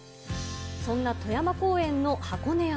そんな戸山公園の箱根山。